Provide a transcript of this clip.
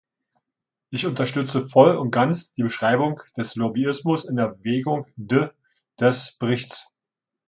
Ich unterstütze voll und ganz die Beschreibung des Lobbyismus in Erwägung D des Berichts.